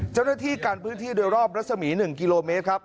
เจ้าหน้าที่กันพื้นที่โดยรอบรัศมี๑กิโลเมตรครับ